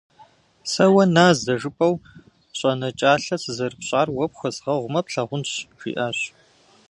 «Сэ уэ назэ жыпӏэу щӏэнэкӏалъэ сызэрыпщӏар уэ пхуэзгъэгъумэ плъагъунщ», — жиӏащ.